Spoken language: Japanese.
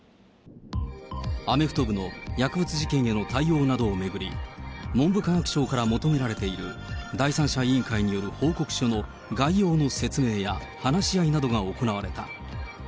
アメフト部の薬物事件への対応などを巡り、文部科学省から求められている第三者委員会による報告書の概要の説明や、話し合いなどが行われた。